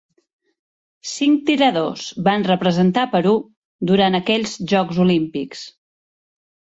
Cinc tiradors van representar Perú durant aquells Jocs Olímpics.